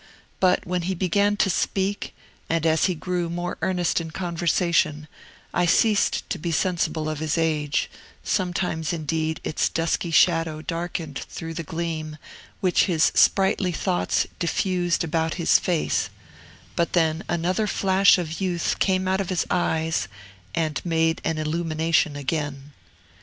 But when he began to speak, and as he grew more earnest in conversation, I ceased to be sensible of his age; sometimes, indeed, its dusky shadow darkened through the gleam which his sprightly thoughts diffused about his face, but then another flash of youth came out of his eyes and made an illumination again.